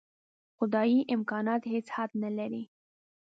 خدايي امکانات هېڅ حد نه لري.